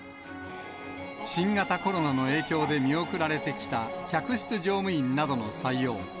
新型コロナの影響で見送られてきた客室乗務員などの採用。